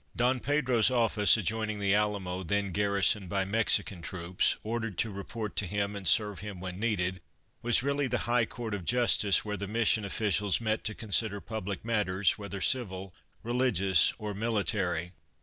Don Pedro's office, adjoining the Alamo, then garrisoned by Mexican troops ordered to report to him and serve him when needed, was really the High Court of Justice where the Mission officials met to consider public matters, whether civil, religious or military.